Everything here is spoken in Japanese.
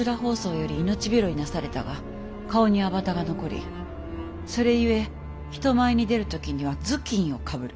疱瘡より命拾いなされたが顔に痘痕が残りそれゆえ人前に出る時には頭巾をかぶる。